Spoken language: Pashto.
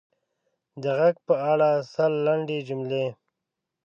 د ږغ په اړه سل لنډې جملې: